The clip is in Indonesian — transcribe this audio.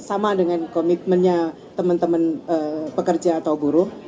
sama dengan komitmennya teman teman pekerja atau buruh